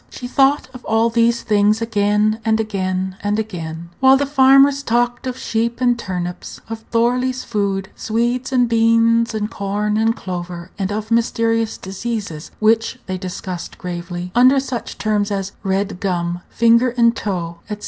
She thought of all these things again, and again, and again, while the farmers talked of sheep and turnips, of Thorley's food, Swedes, and beans, and corn, and clover, and of mysterious diseases, which they discussed gravely, under such terms as "red gum," "finger and toe," etc.